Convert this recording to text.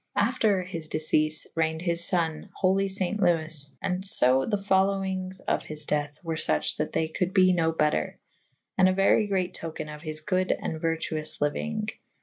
After his deceafe reigned his fo«ne / holy faint Lewes / and fo the folowinges of his dethe were fuche that they colde be no better / and a very great toke« of his good and vertuoufe lyuynge.